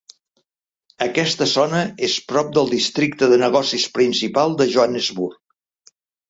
Aquesta zona és prop del districte de negocis principal de Johannesburg.